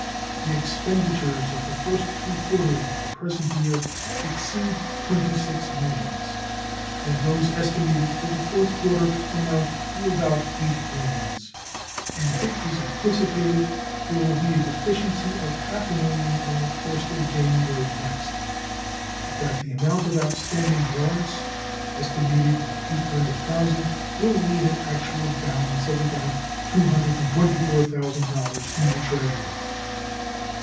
The expenditures of the first three quarters of the present year exceed twenty six millions, and those estimated for the fourth quarter amount to about eight millions; and it is anticipated there will be a deficiency of half a million on the 1st of January next, but that the amount of outstanding warrants (estimated at $800,000) will leave an actual balance of about $224,000 in the Treasury.